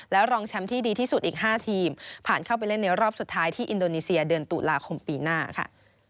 รองแชมป์ที่ดีที่สุดอีก๕ทีมผ่านเข้าไปเล่นในรอบสุดท้ายที่อินโดนีเซียเดือนตุลาคมปีหน้าค่ะ